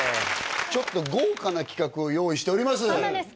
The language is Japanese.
ちょっと豪華な企画を用意しておりますそうなんです